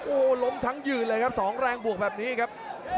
โอ้โหล้มทั้งยืนเลยครับสองแรงบวกแบบนี้ครับ